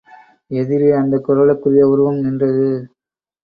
எதிரே அந்தக் குரலுக்குரிய உருவம் நின்றது.